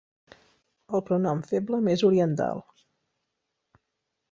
El pronom feble més oriental.